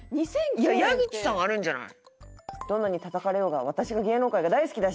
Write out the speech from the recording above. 矢口さんあるんじゃない？